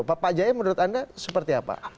pak jaya menurut anda seperti apa